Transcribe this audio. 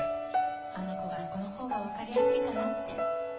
あの子がこの方がわかりやすいかなって